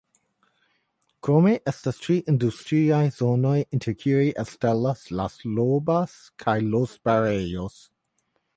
Krome estas tri industriaj zonoj inter kiuj elstaras "Las Lobas" kaj "Los Barreros".